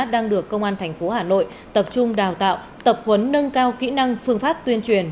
đang được công an thành phố hà nội tập trung đào tạo tập huấn nâng cao kỹ năng phương pháp tuyên truyền